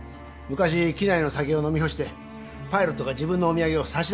昔機内の酒を飲み干してパイロットが自分のお土産を差し出したことがある。